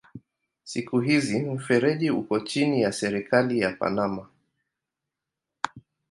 Siku hizi mfereji uko chini ya serikali ya Panama.